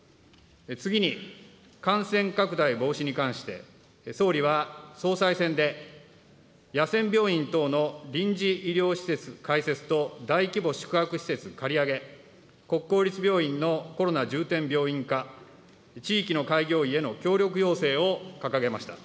次に、感染拡大防止に関して、総理は総裁選で、野戦病院等の臨時医療施設開設と、大規模宿泊施設借り上げ、国公立病院のコロナ重点病院化、地域の開業医への協力要請を掲げました。